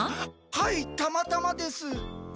はいたまたまです。